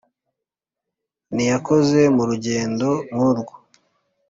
ntiyakoze, mu rugendo nk'urwo,